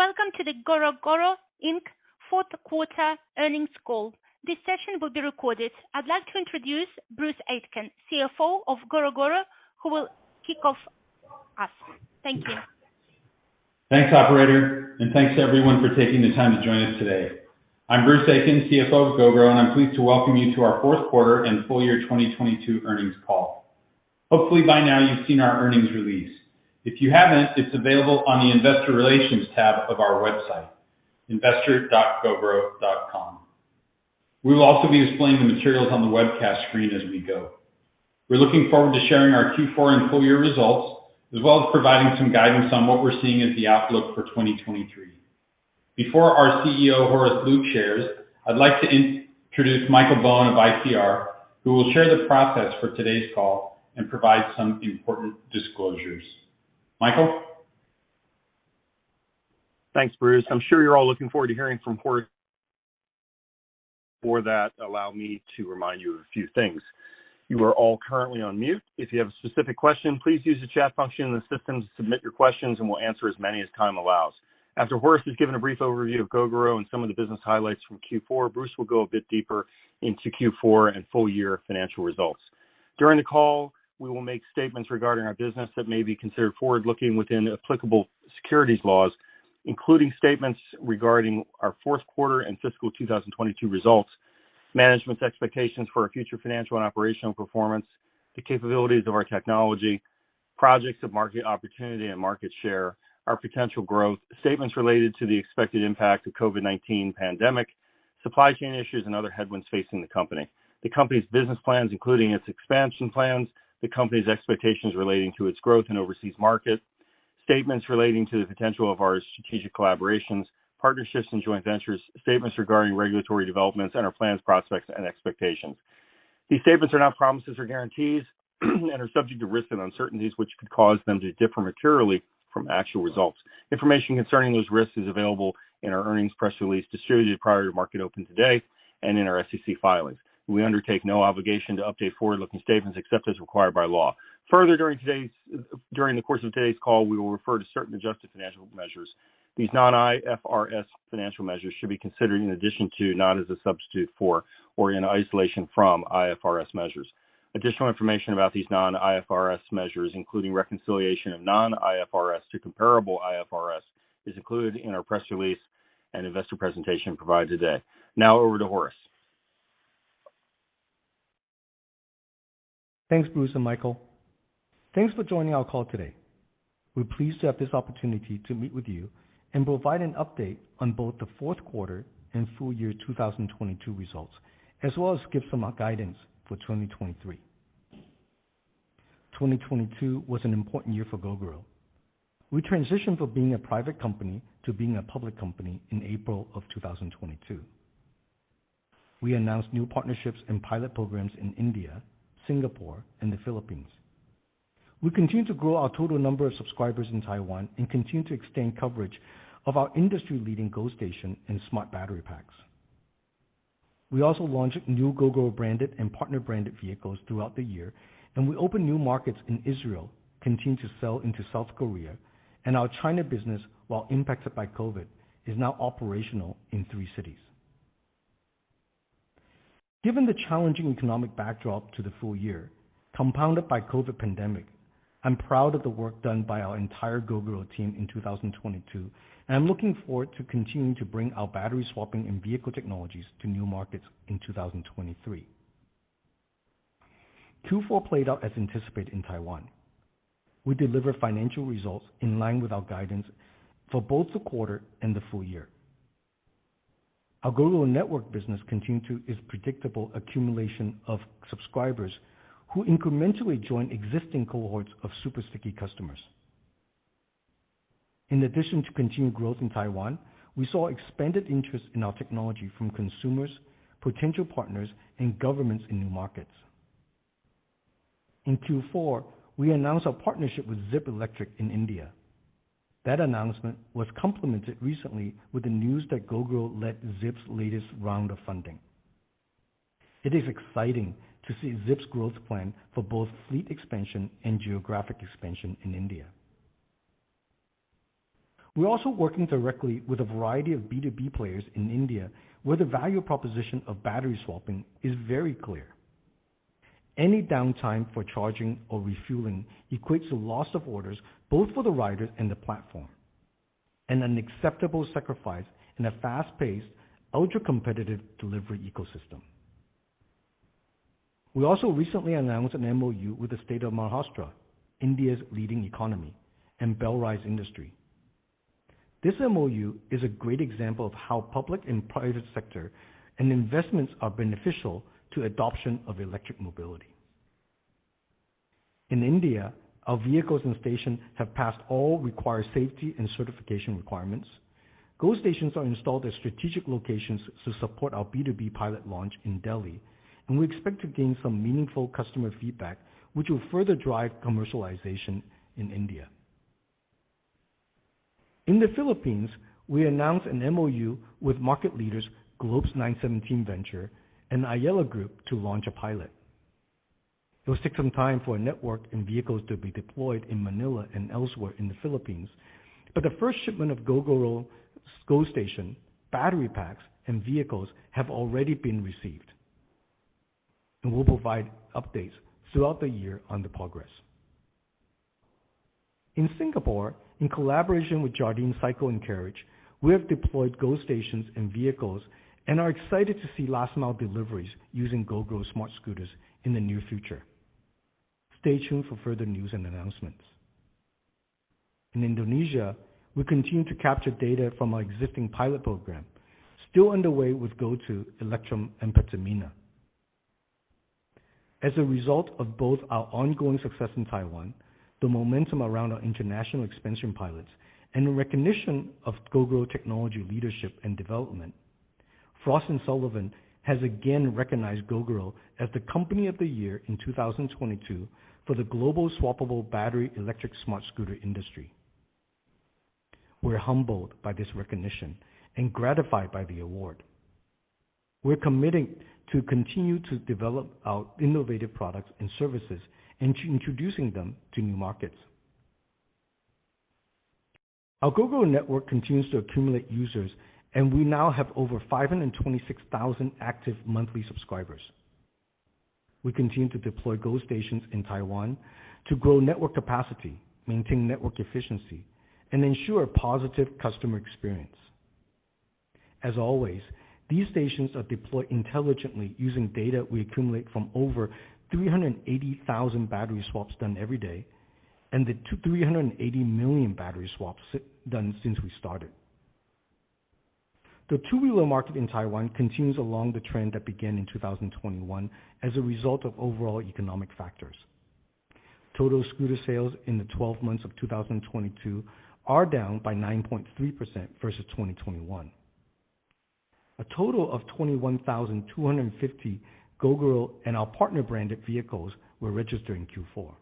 Welcome to the. fourth quarter earnings call. This session will be recorded. I'd like to introduce Bruce Aitken, CFO of Gogoro, who will kick off us. Thank you. Thanks, operator. Thanks everyone for taking the time to join us today. I'm Bruce Aitken, CFO of Gogoro, and I'm pleased to welcome you to our fourth quarter and full year 2022 earnings call. Hopefully by now you've seen our earnings release. If you haven't, it's available on the investor relations tab of our website, investor.gogoro.com. We will also be displaying the materials on the webcast screen as we go. We're looking forward to sharing our Q4 and full year results, as well as providing some guidance on what we're seeing as the outlook for 2023. Before our CEO, Horace Luke shares, I'd like to introduce Michael Bowen of ICR, who will share the process for today's call and provide some important disclosures. Michael. Thanks, Bruce. I'm sure you're all looking forward to hearing from Horace. Before that, allow me to remind you of a few things. You are all currently on mute. If you have a specific question, please use the chat function in the system to submit your questions, and we'll answer as many as time allows. After Horace has given a brief overview of Gogoro and some of the business highlights from Q4, Bruce will go a bit deeper into Q4 and full year financial results. During the call, we will make statements regarding our business that may be considered forward-looking within applicable securities laws, including statements regarding our fourth quarter and fiscal 2022 results, management's expectations for our future financial and operational performance, the capabilities of our technology, projects of market opportunity and market share, our potential growth, statements related to the expected impact of COVID-19 pandemic, supply chain issues, and other headwinds facing the company. Company's business plans, including its expansion plans, the company's expectations relating to its growth in overseas markets, statements relating to the potential of our strategic collaborations, partnerships and joint ventures, statements regarding regulatory developments and our plans, prospects and expectations. These statements are not promises or guarantees and are subject to risks and uncertainties which could cause them to differ materially from actual results. Information concerning those risks is available in our earnings press release distributed prior to market open today and in our SEC filings. We undertake no obligation to update forward-looking statements except as required by law. Further, during the course of today's call, we will refer to certain adjusted financial measures. These non-IFRS financial measures should be considered in addition to, not as a substitute for or in isolation from IFRS measures. Additional information about these non-IFRS measures, including reconciliation of non-IFRS to comparable IFRS, is included in our press release and investor presentation provided today. Now over to Horace. Thanks, Bruce and Michael. Thanks for joining our call today. We're pleased to have this opportunity to meet with you and provide an update on both the fourth quarter and full year 2022 results, as well as give some guidance for 2023. 2022 was an important year for Gogoro. We transitioned from being a private company to being a public company in April of 2022. We announced new partnerships and pilot programs in India, Singapore and the Philippines. We continue to grow our total number of subscribers in Taiwan and continue to extend coverage of our industry-leading GoStation and Smart Battery packs. We also launched new Gogoro branded and partner branded vehicles throughout the year, and we opened new markets in Israel, continue to sell into South Korea, and our China business, while impacted by COVID-19, is now operational in three cities. Given the challenging economic backdrop to the full year, compounded by COVID pandemic, I'm proud of the work done by our entire Gogoro team in 2022, and I'm looking forward to continuing to bring our battery swapping and vehicle technologies to new markets in 2023. Q4 played out as anticipated in Taiwan. We delivered financial results in line with our guidance for both the quarter and the full year. Our Gogoro Network business continued to its predictable accumulation of subscribers who incrementally join existing cohorts of super sticky customers. In addition to continued growth in Taiwan, we saw expanded interest in our technology from consumers, potential partners and governments in new markets. In Q4, we announced our partnership with Zypp Electric in India. That announcement was complemented recently with the news that Gogoro led Zypp's latest round of funding. It is exciting to see Zypp's growth plan for both fleet expansion and geographic expansion in India. We're also working directly with a variety of B2B players in India, where the value proposition of battery swapping is very clear. Any downtime for charging or refueling equates to loss of orders both for the rider and the platform, and an acceptable sacrifice in a fast-paced, ultra-competitive delivery ecosystem. We also recently announced an MoU with the state of Maharashtra, India's leading economy, and Belrise Industries. This MoU is a great example of how public and private sector and investments are beneficial to adoption of electric mobility. In India, our vehicles and stations have passed all required safety and certification requirements. GoStations are installed at strategic locations to support our B2B pilot launch in Delhi, and we expect to gain some meaningful customer feedback, which will further drive commercialization in India. In the Philippines, we announced an MoU with market leaders Globe 917Ventures and Ayala Corporation to launch a pilot. It will take some time for a network and vehicles to be deployed in Manila and elsewhere in the Philippines. The first shipment of GoStation, battery packs, and vehicles have already been received. We'll provide updates throughout the year on the progress. In Singapore, in collaboration with Jardine Cycle & Carriage, we have deployed GoStations and vehicles, and are excited to see last mile deliveries using Gogoro smart scooters in the near future. Stay tuned for further news and announcements. In Indonesia, we continue to capture data from our existing pilot program still underway with Electrum and Pertamina. As a result of both our ongoing success in Taiwan, the momentum around our international expansion pilots, and in recognition of Gogoro technology leadership and development, Frost & Sullivan has again recognized Gogoro as the company of the year in 2022 for the global swappable battery electric smart scooter industry. We're humbled by this recognition and gratified by the award. We're committing to continue to develop our innovative products and services into introducing them to new markets. Our Gogoro Network continues to accumulate users. We now have over 526,000 active monthly subscribers. We continue to deploy GoStations in Taiwan to grow network capacity, maintain network efficiency, and ensure positive customer experience. As always, these stations are deployed intelligently using data we accumulate from over 380,000 battery swaps done every day, and the 380 million battery swaps done since we started. The two-wheeler market in Taiwan continues along the trend that began in 2021 as a result of overall economic factors. Total scooter sales in the 12 months of 2022 are down by 9.3% versus 2021. A total of 21,250 Gogoro and our partner branded vehicles were registered in Q4.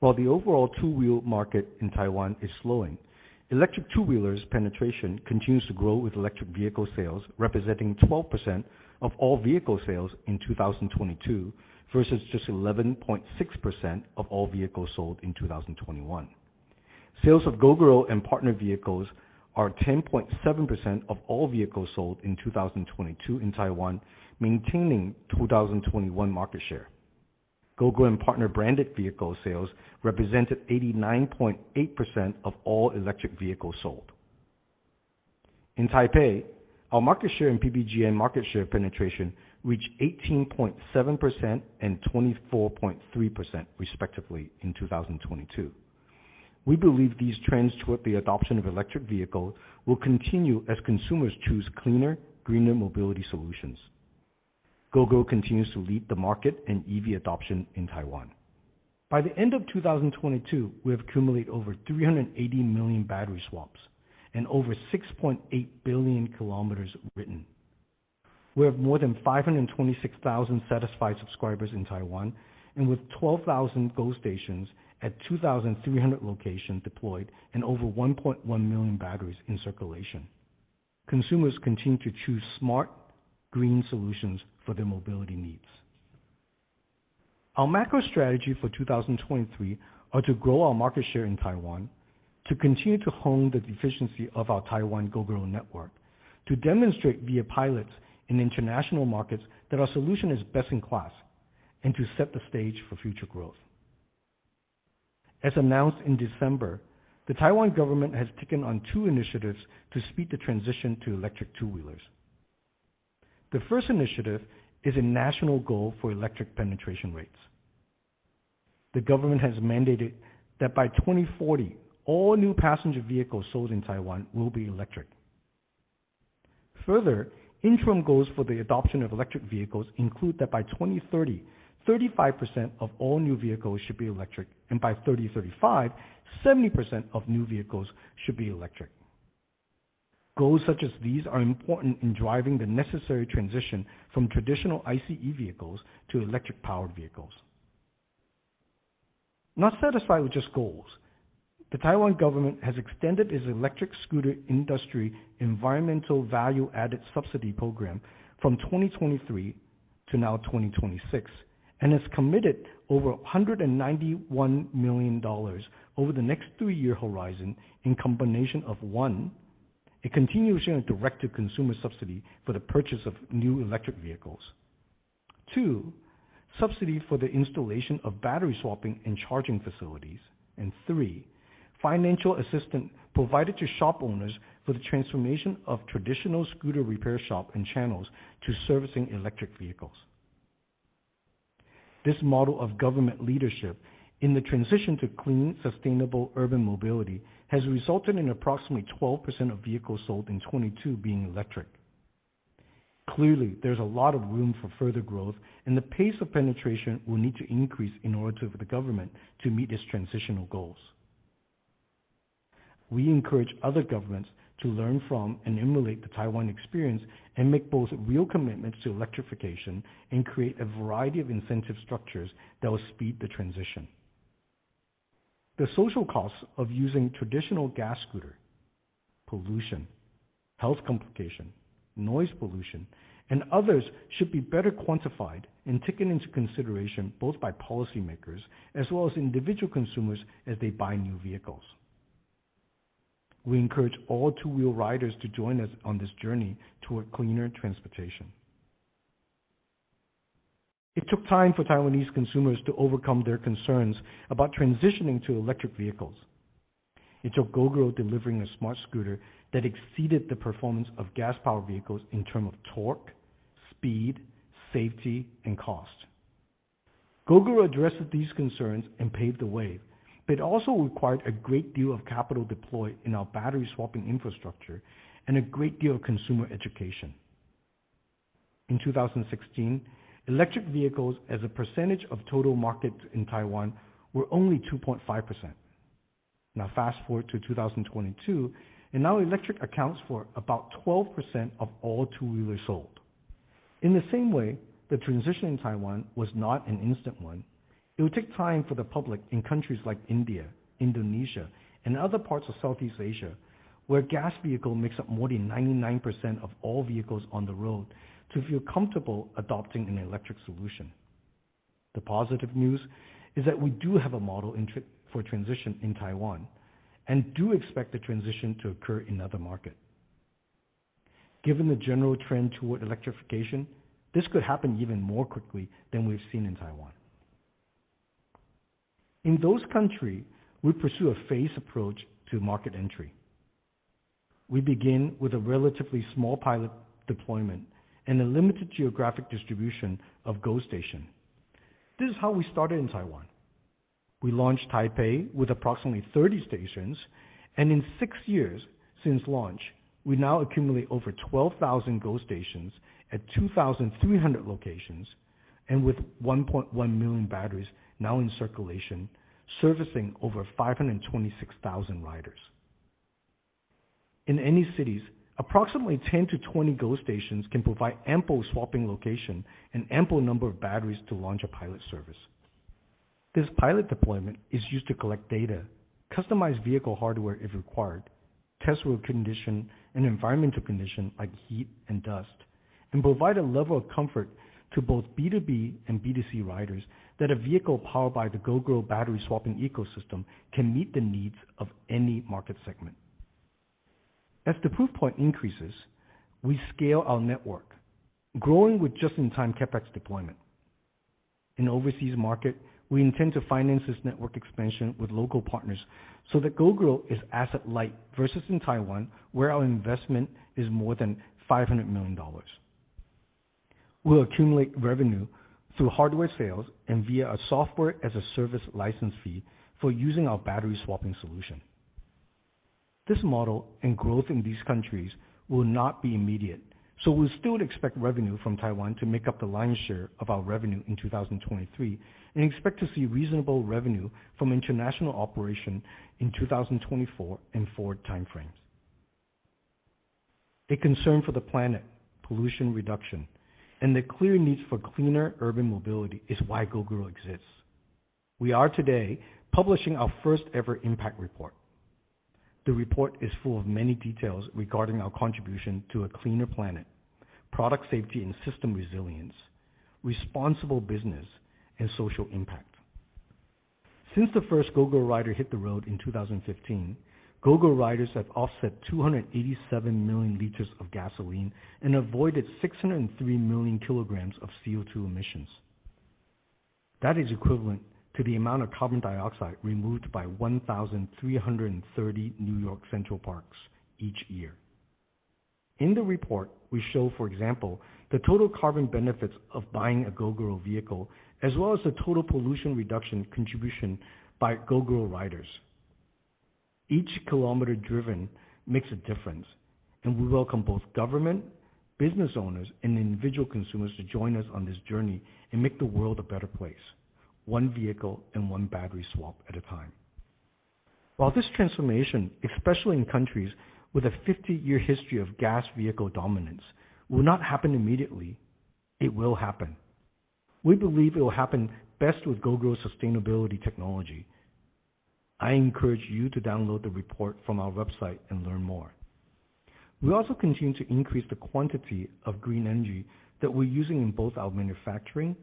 While the overall two-wheel market in Taiwan is slowing, electric two-wheelers penetration continues to grow, with electric vehicle sales representing 12% of all vehicle sales in 2022 versus just 11.6% of all vehicles sold in 2021. Sales of Gogoro and partner vehicles are 10.7% of all vehicles sold in 2022 in Taiwan, maintaining 2021 market share. Gogoro and partner branded vehicle sales represented 89.8% of all electric vehicles sold. In Taipei, our market share and PBGN market share penetration reached 18.7% and 24.3%, respectively, in 2022. We believe these trends toward the adoption of electric vehicle will continue as consumers choose cleaner, greener mobility solutions. Gogoro continues to lead the market in EV adoption in Taiwan. By the end of 2022, we have accumulated over 380 million battery swaps and over 6.8 billion km ridden. We have more than 526,000 satisfied subscribers in Taiwan, with 12,000 GoStations at 2,300 locations deployed and over 1.1 million batteries in circulation. Consumers continue to choose smart green solutions for their mobility needs. Our macro strategy for 2023 are to grow our market share in Taiwan, to continue to hone the efficiency of our Taiwan Gogoro Network, to demonstrate via pilots in international markets that our solution is best in class, and to set the stage for future growth. As announced in December, the Taiwan government has taken on two initiatives to speed the transition to electric two-wheelers. The first initiative is a national goal for electric penetration rates. The government has mandated that by 2040, all new passenger vehicles sold in Taiwan will be electric. Further, interim goals for the adoption of electric vehicles include that by 2030, 35% of all new vehicles should be electric, and by 2035, 70% of new vehicles should be electric. Goals such as these are important in driving the necessary transition from traditional ICE vehicles to electric-powered vehicles. Not satisfied with just goals, the Taiwan government has extended its electric scooter industry environmental value-added subsidy program from 2023 to now 2026, and has committed over $191 million over the next three-year horizon in combination of, 1, a continuation of direct to consumer subsidy for the purchase of new electric vehicles. two, subsidy for the installation of battery swapping and charging facilities. 3, financial assistance provided to shop owners for the transformation of traditional scooter repair shop and channels to servicing electric vehicles. This model of government leadership in the transition to clean, sustainable urban mobility has resulted in approximately 12% of vehicles sold in 2022 being electric. Clearly, there's a lot of room for further growth, and the pace of penetration will need to increase in order for the government to meet its transitional goals. We encourage other governments to learn from and emulate the Taiwan experience and make both real commitments to electrification and create a variety of incentive structures that will speed the transition. The social costs of using traditional gas scooter pollution, health complication, noise pollution, and others should be better quantified and taken into consideration both by policymakers as well as individual consumers as they buy new vehicles. We encourage all two-wheel riders to join us on this journey toward cleaner transportation. It took time for Taiwanese consumers to overcome their concerns about transitioning to electric vehicles. It took Gogoro delivering a smart scooter that exceeded the performance of gas-powered vehicles in term of torque, speed, safety, and cost. Gogoro addresses these concerns and paved the way, but it also required a great deal of capital deployed in our battery swapping infrastructure and a great deal of consumer education. In 2016, electric vehicles as a percentage of total market in Taiwan were only 2.5%. Now fast-forward to 2022, and now electric accounts for about 12% of all two-wheelers sold. In the same way, the transition in Taiwan was not an instant one. It will take time for the public in countries like India, Indonesia, and other parts of Southeast Asia, where gas vehicle makes up more than 99% of all vehicles on the road to feel comfortable adopting an electric solution. The positive news is that we do have a model for transition in Taiwan and do expect the transition to occur in other market. Given the general trend toward electrification, this could happen even more quickly than we've seen in Taiwan. In those country, we pursue a phased approach to market entry. We begin with a relatively small pilot deployment and a limited geographic distribution of GoStation. This is how we started in Taiwan. We launched Taipei with approximately 30 stations, and in six years since launch, we now accumulate over 12,000 GoStations at 2,300 locations, and with 1.1 million batteries now in circulation, servicing over 526,000 riders. In any cities, approximately 10-20 GoStations can provide ample swapping location and ample number of batteries to launch a pilot service. This pilot deployment is used to collect data, customized vehicle hardware if required, test road condition and environmental condition like heat and dust, and provide a level of comfort to both B2B and B2C riders that a vehicle powered by the Gogoro battery swapping ecosystem can meet the needs of any market segment. As the proof point increases, we scale our network, growing with just-in-time CapEx deployment. In overseas market, we intend to finance this network expansion with local partners so that Gogoro is asset light versus in Taiwan, where our investment is more than $500 million. We'll accumulate revenue through hardware sales and via a software-as-a-service license fee for using our battery swapping solution. This model and growth in these countries will not be immediate, we still expect revenue from Taiwan to make up the lion's share of our revenue in 2023, and expect to see reasonable revenue from international operation in 2024 in forward time frames. The concern for the planet, pollution reduction, and the clear needs for cleaner urban mobility is why Gogoro exists. We are today publishing our first ever impact report. The report is full of many details regarding our contribution to a cleaner planet, product safety and system resilience, responsible business, and social impact. Since the first Gogoro rider hit the road in 2015, Gogoro riders have offset 287 million liters of gasoline and avoided 603 million kilograms of CO2 emissions. That is equivalent to the amount of carbon dioxide removed by 1,330 New York Central Parks each year. In the report, we show, for example, the total carbon benefits of buying a Gogoro vehicle, as well as the total pollution reduction contribution by Gogoro riders. Each kilometer driven makes a difference, and we welcome both government, business owners, and individual consumers to join us on this journey and make the world a better place, one vehicle and one battery swap at a time. While this transformation, especially in countries with a 50-year history of gas vehicle dominance, will not happen immediately, it will happen. We believe it will happen best with Gogoro sustainability technology. I encourage you to download the report from our website and learn more. We also continue to increase the quantity of green energy that we're using in both our manufacturing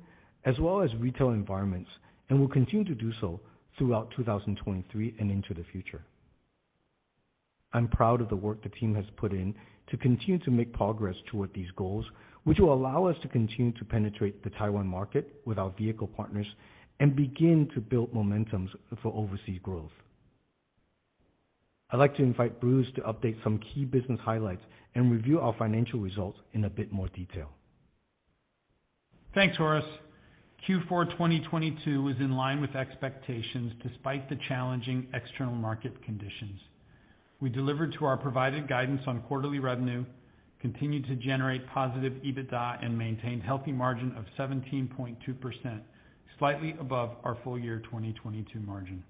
as well as retail environments, and we'll continue to do so throughout 2023 and into the future. I'm proud of the work the team has put in to continue to make progress toward these goals, which will allow us to continue to penetrate the Taiwan market with our vehicle partners and begin to build momentums for overseas growth. I'd like to invite Bruce to update some key business highlights and review our financial results in a bit more detail. Thanks, Horace. Q4 2022 was in line with expectations despite the challenging external market conditions. We delivered to our provided guidance on quarterly revenue, continued to generate positive EBITDA, and maintained healthy margin of 17.2%, slightly above our full year 2022 margin.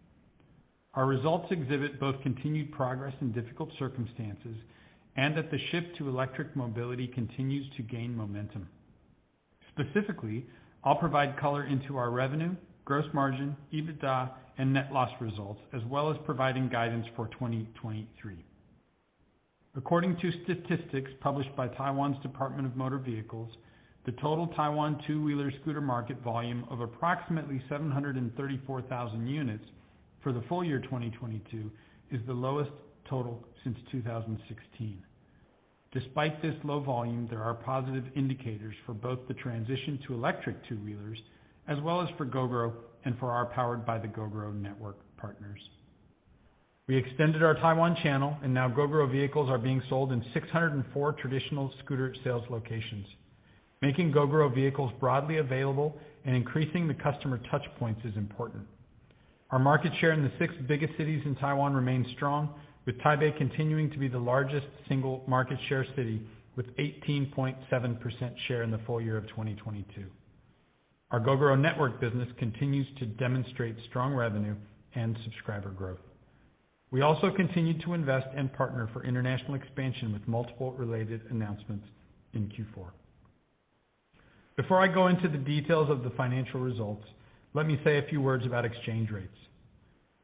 Our results exhibit both continued progress in difficult circumstances and that the shift to electric mobility continues to gain momentum. Specifically, I'll provide color into our revenue, gross margin, EBITDA, and net loss results, as well as providing guidance for 2023. According to statistics published by Taiwan's Department of Motor Vehicles, the total Taiwan two-wheeler scooter market volume of approximately 734,000 units for the full year 2022 is the lowest total since 2016. Despite this low volume, there are positive indicators for both the transition to electric two-wheelers as well as for Gogoro and for our Powered by Gogoro Network partners. We extended our Taiwan channel, now Gogoro vehicles are being sold in 604 traditional scooter sales locations. Making Gogoro vehicles broadly available and increasing the customer touchpoints is important. Our market share in the six biggest cities in Taiwan remains strong, with Taipei continuing to be the largest single market share city with 18.7% share in the full year of 2022. Our Gogoro Network business continues to demonstrate strong revenue and subscriber growth. We also continue to invest and partner for international expansion with multiple related announcements in Q4. Before I go into the details of the financial results, let me say a few words about exchange rates.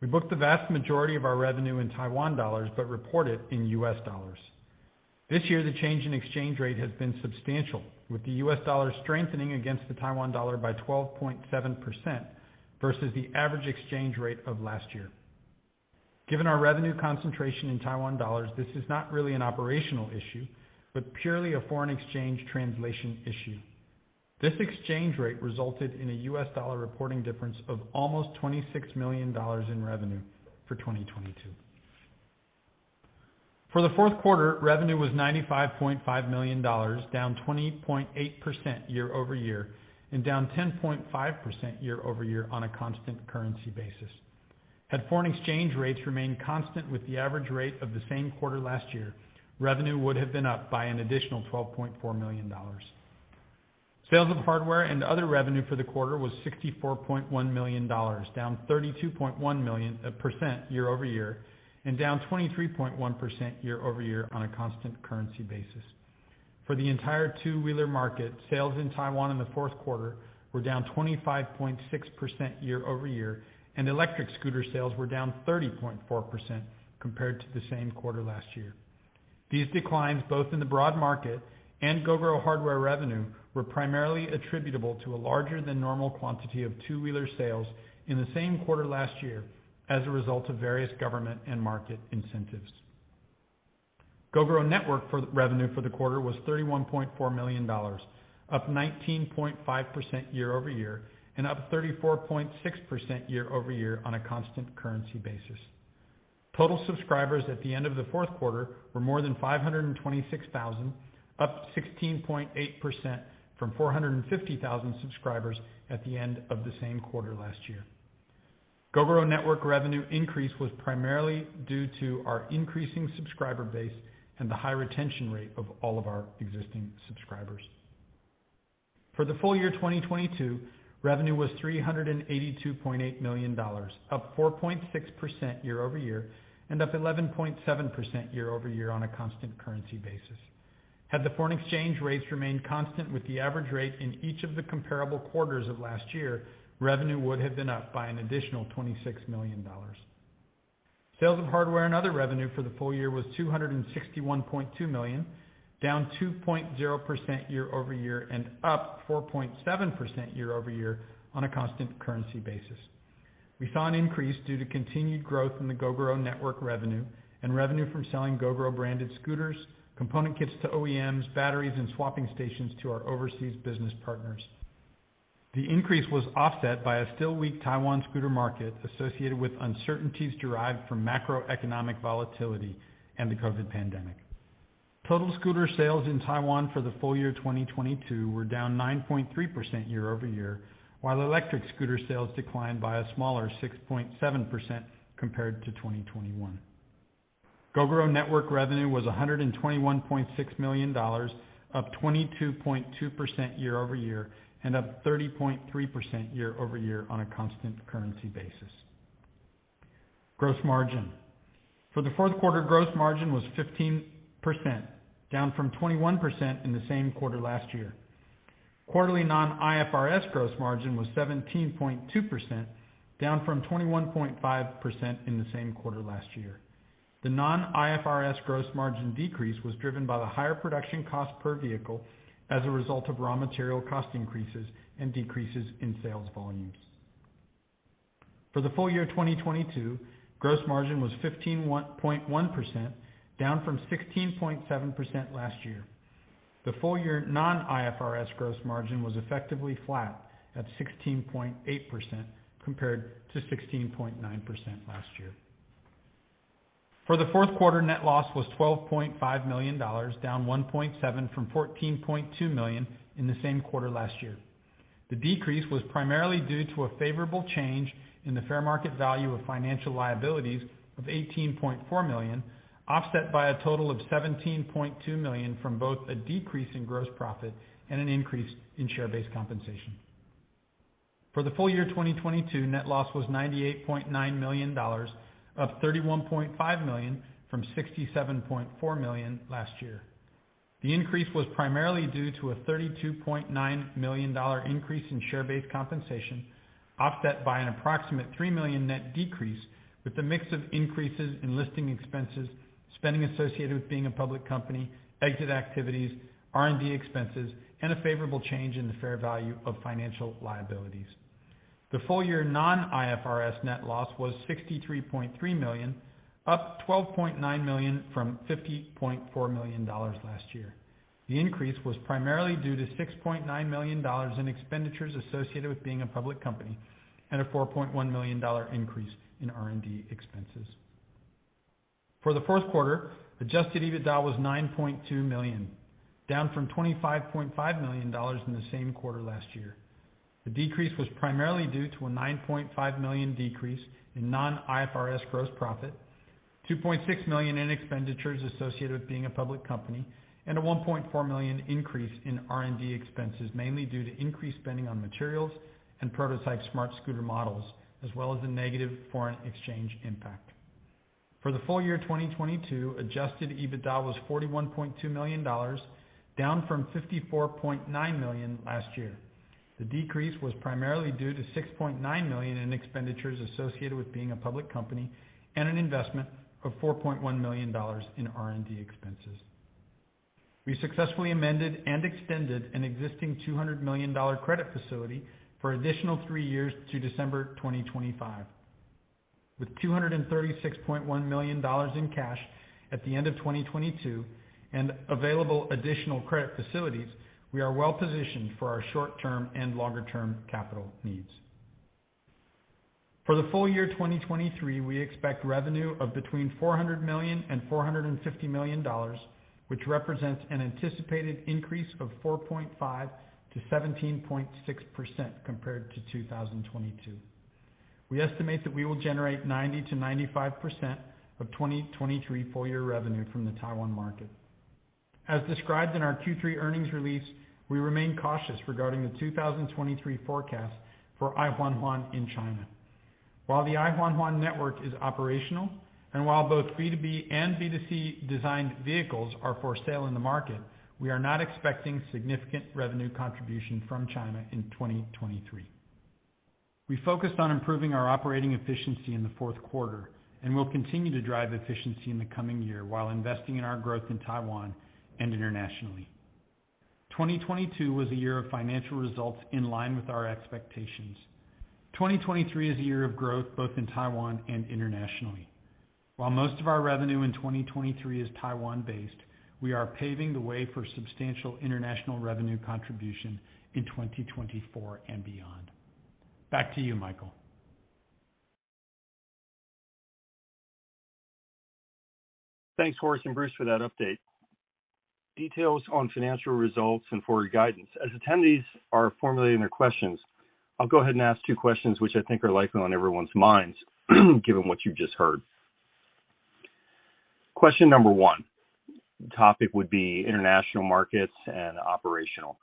We book the vast majority of our revenue in Taiwan dollars, but report it in U.S. dollars. This year, the change in exchange rate has been substantial, with the U.S. dollar strengthening against the Taiwan dollar by 12.7% versus the average exchange rate of last year. Given our revenue concentration in Taiwan dollars, this is not really an operational issue, but purely a foreign exchange translation issue. This exchange rate resulted in a U.S. dollar reporting difference of almost $26 million in revenue for 2022. For the fourth quarter, revenue was $95.5 million, down 20.8% year-over-year and down 10.5% year-over-year on a constant currency basis. Had foreign exchange rates remained constant with the average rate of the same quarter last year, revenue would have been up by an additional $12.4 million. Sales of hardware and other revenue for the quarter was $64.1 million, down 32.1% year-over-year and down 23.1% year-over-year on a constant currency basis. For the entire two-wheeler market, sales in Taiwan in the fourth quarter were down 25.6% year-over-year, and electric scooter sales were down 30.4% compared to the same quarter last year. These declines, both in the broad market and Gogoro hardware revenue, were primarily attributable to a larger than normal quantity of two-wheeler sales in the same quarter last year as a result of various government and market incentives. Gogoro Network revenue for the quarter was $31.4 million, up 19.5% year-over-year and up 34.6% year-over-year on a constant currency basis. Total subscribers at the end of the fourth quarter were more than 526,000, up 16.8% from 450,000 subscribers at the end of the same quarter last year. Gogoro Network revenue increase was primarily due to our increasing subscriber base and the high retention rate of all of our existing subscribers. For the full year 2022, revenue was $382.8 million, up 4.6% year-over-year and up 11.7% year-over-year on a constant currency basis. Had the foreign exchange rates remained constant with the average rate in each of the comparable quarters of last year, revenue would have been up by an additional $26 million. Sales of hardware and other revenue for the full year was $261.2 million, down 2.0% year-over-year and up 4.7% year-over-year on a constant currency basis. We saw an increase due to continued growth in the Gogoro Network revenue and revenue from selling Gogoro branded scooters, component kits to OEMs, batteries, and swapping stations to our overseas business partners. The increase was offset by a still weak Taiwan scooter market associated with uncertainties derived from macroeconomic volatility and the COVID pandemic. Total scooter sales in Taiwan for the full year 2022 were down 9.3% year-over-year, while electric scooter sales declined by a smaller 6.7% compared to 2021. Gogoro Network revenue was $121.6 million, up 22.2% year-over-year and up 30.3% year-over-year on a constant currency basis. Gross margin. For the fourth quarter, gross margin was 15%, down from 21% in the same quarter last year. Quarterly non-IFRS gross margin was 17.2%, down from 21.5% in the same quarter last year. The non-IFRS gross margin decrease was driven by the higher production cost per vehicle as a result of raw material cost increases and decreases in sales volumes. For the full year 2022, gross margin was 15.1%, down from 16.7% last year. The full year non-IFRS gross margin was effectively flat at 16.8% compared to 16.9% last year. For the fourth quarter, net loss was $12.5 million, down $1.7 million from $14.2 million in the same quarter last year. The decrease was primarily due to a favorable change in the fair market value of financial liabilities of $18.4 million, offset by a total of $17.2 million from both a decrease in gross profit and an increase in share-based compensation. For the full year 2022, net loss was $98.9 million, up $31.5 million from $67.4 million last year. The increase was primarily due to a $32.9 million increase in share-based compensation, offset by an approximate $3 million net decrease, with a mix of increases in listing expenses, spending associated with being a public company, exit activities, R&D expenses, and a favorable change in the fair value of financial liabilities. The full year non-IFRS net loss was $63.3 million, up $12.9 million from $50.4 million last year. The increase was primarily due to $6.9 million in expenditures associated with being a public company and a $4.1 million increase in R&D expenses. For the fourth quarter, adjusted EBITDA was $9.2 million, down from $25.5 million in the same quarter last year. The decrease was primarily due to a $9.5 million decrease in non-IFRS gross profit, $2.6 million in expenditures associated with being a public company, and a $1.4 million increase in R&D expenses, mainly due to increased spending on materials and prototype smart scooter models, as well as the negative foreign exchange impact. For the full year 2022, adjusted EBITDA was $41.2 million, down from $54.9 million last year. The decrease was primarily due to $6.9 million in expenditures associated with being a public company and an investment of $4.1 million in R&D expenses. We successfully amended and extended an existing $200 million credit facility for additional three years to December 2025. With $236.1 million in cash at the end of 2022 and available additional credit facilities, we are well positioned for our short-term and longer-term capital needs. For the full year 2023, we expect revenue of between $400 million and $450 million, which represents an anticipated increase of 4.5%-17.6% compared to 2022. We estimate that we will generate 90%-95% of 2023 full year revenue from the Taiwan market. As described in our Q3 earnings release, we remain cautious regarding the 2023 forecast for Huan Huan in China. While the Huan Huan network is operational, and while both B2B and B2C designed vehicles are for sale in the market, we are not expecting significant revenue contribution from China in 2023. We focused on improving our operating efficiency in the fourth quarter and will continue to drive efficiency in the coming year while investing in our growth in Taiwan and internationally. 2022 was a year of financial results in line with our expectations. 2023 is a year of growth both in Taiwan and internationally. While most of our revenue in 2023 is Taiwan-based, we are paving the way for substantial international revenue contribution in 2024 and beyond. Back to you, Michael. Thanks, Horace and Bruce, for that update, details on financial results, and forward guidance. As attendees are formulating their questions, I'll go ahead and ask 2 questions which I think are likely on everyone's minds given what you've just heard. Question number 1. Topic would be international markets and operational.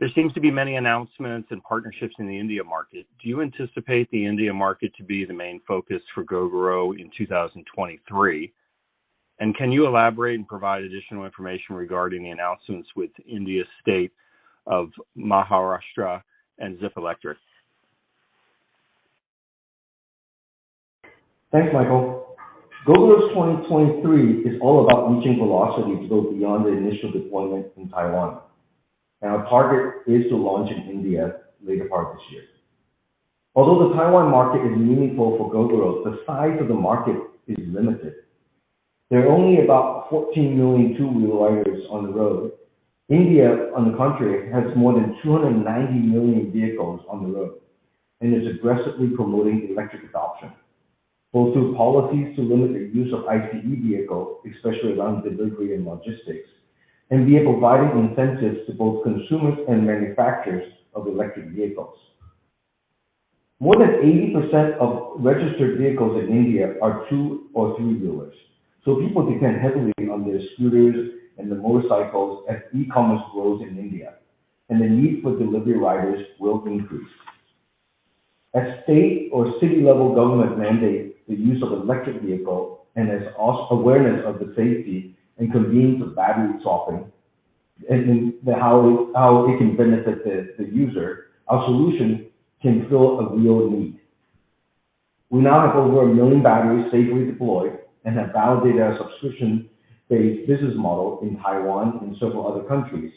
There seems to be many announcements and partnerships in the India market. Do you anticipate the India market to be the main focus for Gogoro in 2023? Can you elaborate and provide additional information regarding the announcements with India state of Maharashtra and Zypp Electric? Thanks, Michael. Gogoro's 2023 is all about reaching velocity to go beyond the initial deployment in Taiwan. Our target is to launch in India later part this year. Although the Taiwan market is meaningful for Gogoro, the size of the market is limited. There are only about 14 million 2-wheel riders on the road. India, on the contrary, has more than 290 million vehicles on the road and is aggressively promoting electric adoption, both through policies to limit the use of ICE vehicles, especially around delivery and logistics, and via providing incentives to both consumers and manufacturers of electric vehicles. More than 80% of registered vehicles in India are 2- or 3-wheelers, so people depend heavily on their scooters and the motorcycles as e-commerce grows in India, and the need for delivery riders will increase. As state or city level government mandate the use of electric vehicle and as awareness of the safety and convenience of battery swapping and how it can benefit the user, our solution can fill a real need. We now have over 1 million batteries safely deployed and have validated our subscription-based business model in Taiwan and several other countries.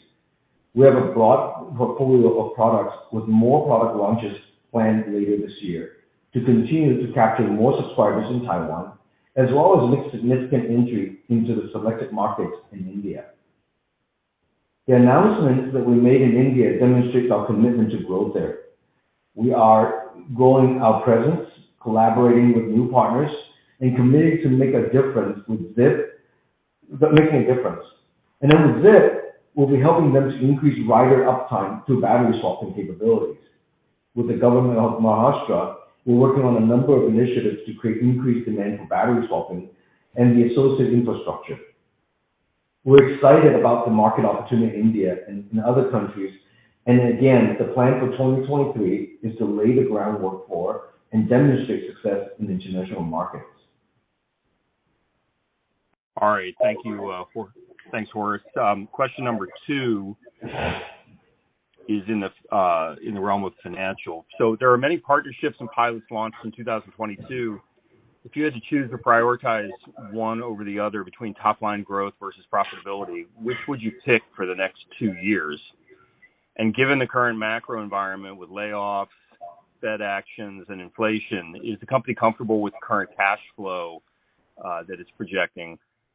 We have a broad portfolio of products with more product launches planned later this year to continue to capture more subscribers in Taiwan, as well as make significant entry into the selected markets in India. The announcement that we made in India demonstrates our commitment to growth there. We are growing our presence, collaborating with new partners, and committed to make a difference with Zypp, making a difference. With Zypp, we'll be helping them to increase rider uptime through battery swapping capabilities. With the government of Maharashtra, we're working on a number of initiatives to create increased demand for battery swapping and the associated infrastructure. We're excited about the market opportunity in India and in other countries. The plan for 2023 is to lay the groundwork for and demonstrate success in international markets. All right. Thank you, thanks, Horace. Question number 2 is in the realm of financial. There are many partnerships and pilots launched in 2022. If you had to choose to prioritize one over the other between top line growth versus profitability, which would you pick for the next two years? Given the current macro environment with layoffs, Fed actions, and inflation, is the company comfortable with current cash flow that it's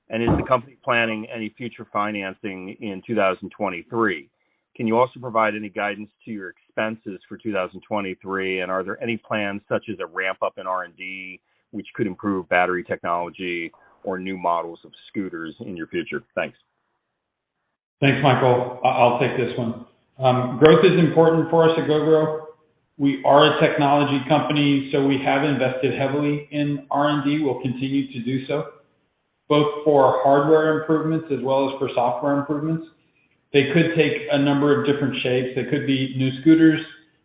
projecting? Is the company planning any future financing in 2023? Can you also provide any guidance to your expenses for 2023? Are there any plans such as a ramp-up in R&D which could improve battery technology or new models of scooters in your future? Thanks. Thanks, Michael. I'll take this one. Growth is important for us at Gogoro. We are a technology company, so we have invested heavily in R&D. We'll continue to do so, both for hardware improvements as well as for software improvements. They could take a number of different shapes. They could be new scooters.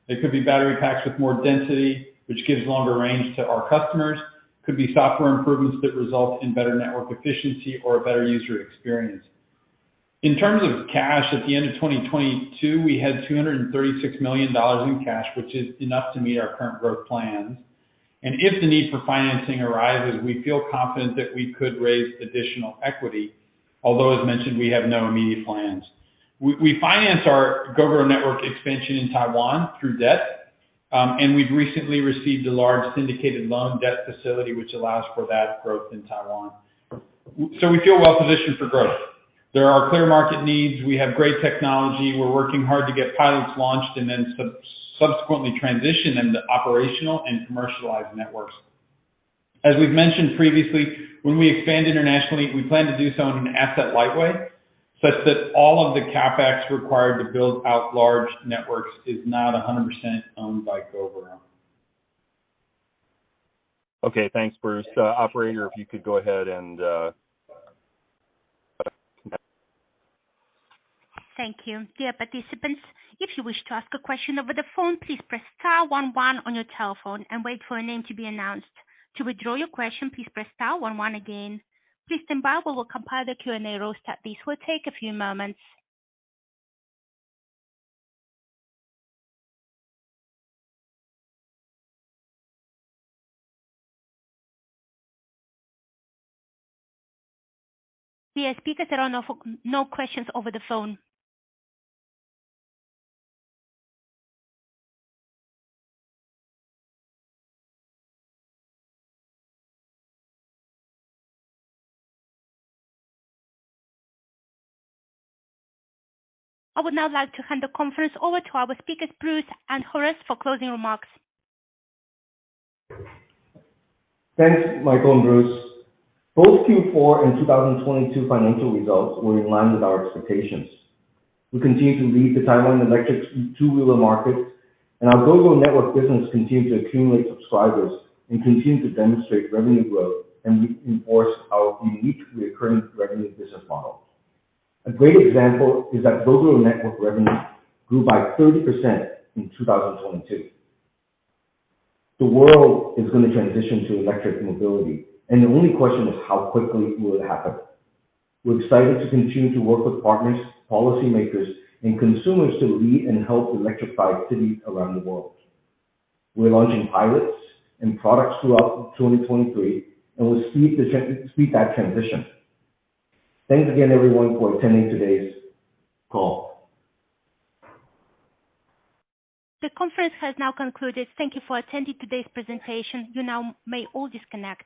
They could be battery packs with more density, which gives longer range to our customers. Could be software improvements that result in better network efficiency or a better user experience. In terms of cash, at the end of 2022, we had $236 million in cash, which is enough to meet our current growth plans. If the need for financing arises, we feel confident that we could raise additional equity, although, as mentioned, we have no immediate plans. We finance our Gogoro network expansion in Taiwan through debt. We've recently received a large syndicated loan debt facility which allows for that growth in Taiwan. We feel well positioned for growth. There are clear market needs. We have great technology. We're working hard to get pilots launched and then subsequently transition them to operational and commercialized networks. As we've mentioned previously, when we expand internationally, we plan to do so in an asset-light way, such that all of the CapEx required to build out large networks is not 100% owned by Gogoro. Okay, thanks, Bruce. Operator, if you could go ahead. Thank you. Dear participants, if you wish to ask a question over the phone, please press star one one on your telephone and wait for your name to be announced. To withdraw your question, please press star one one again. Please stand by. We will compile the Q&A roster. This will take a few moments. Dear speakers, there are no questions over the phone. I would now like to hand the conference over to our speakers, Bruce and Horace, for closing remarks. Thanks, Michael and Bruce. Both Q4 and 2022 financial results were in line with our expectations. We continue to lead the Taiwan electric two-wheeler market, and our Gogoro Network business continues to accumulate subscribers and continue to demonstrate revenue growth and reinforce our unique recurring revenue business model. A great example is that Gogoro Network revenue grew by 30% in 2022. The world is gonna transition to electric mobility, and the only question is how quickly it will happen. We're excited to continue to work with partners, policymakers, and consumers to lead and help electrify cities around the world. We're launching pilots and products throughout 2023, and we'll speed that transition. Thanks again, everyone, for attending today's call. The conference has now concluded. Thank you for attending today's presentation. You now may all disconnect.